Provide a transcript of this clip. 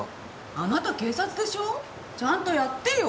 あなた警察でしょ？ちゃんとやってよ！